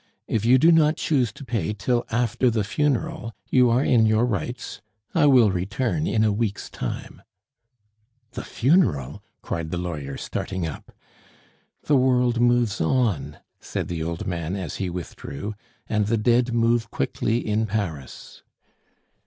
"If you do not choose to pay till after the funeral, you are in your rights. I will return in a week's time." "The funeral!" cried the lawyer, starting up. "The world moves on," said the old man, as he withdrew, "and the dead move quickly in Paris!"